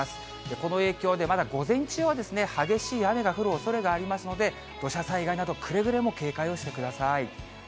この影響で、まだ午前中は激しい雨が降るおそれがありますので、土砂災害など、くれぐれも警戒をしてください。